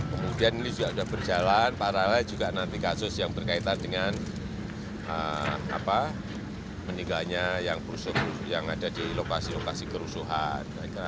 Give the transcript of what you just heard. kemudian ini juga sudah berjalan paralel juga nanti kasus yang berkaitan dengan meninggalnya yang ada di lokasi lokasi kerusuhan